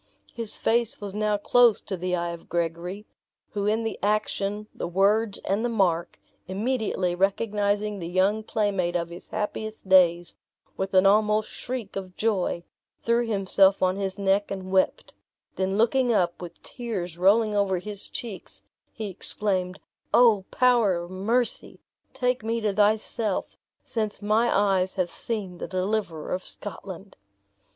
His face was now close to the eye of Gregory, who in the action, the words, and the mark, immediately recognizing the young playmate of his happiest days, with an almost shriek of joy, threw himself on his neck and wept; then looking up, with tears rolling over his cheeks, he exclaimed, "O Power of Mercy, take me to thyself, since my eyes have seen the deliverer of Scotland!"